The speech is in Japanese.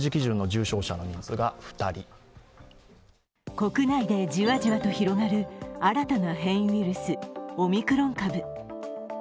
国内でじわじわと広がる新たな変異ウイルスオミクロン株。